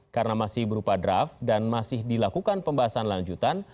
karena masih berupa draft dan masih dilakukan pembahasan lanjutan